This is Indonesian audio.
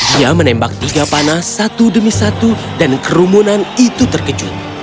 dia menembak tiga panah satu demi satu dan kerumunan itu terkejut